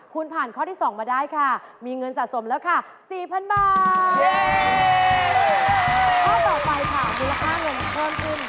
ข้อต่อไปค่ะมีราคาเงินเขิ่มขึ้นเป็น๘๐๐๐บาทค่ะ